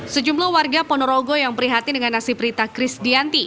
sejumlah warga ponorogo yang prihatin dengan nasib rita crisdianti